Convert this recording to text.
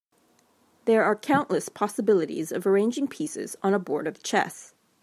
There are countless possibilities of arranging pieces on a board of chess.